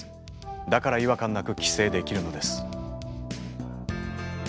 だから違和感なく寄生できるのです。